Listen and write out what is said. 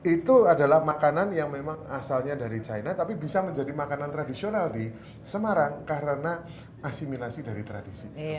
itu adalah makanan yang memang asalnya dari china tapi bisa menjadi makanan tradisional di semarang karena asimilasi dari tradisi